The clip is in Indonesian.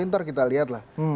nanti kita lihat lah